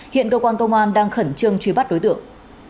hiện cơ quan công an đang khẩn trương truy bắt đối tượng